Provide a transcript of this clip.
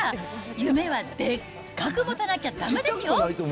夢はでっかく持たなきゃだめですよ。